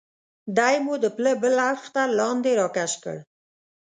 دی مو د پله بل اړخ ته لاندې را کش کړ.